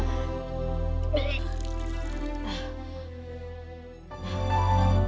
dia masih di rumah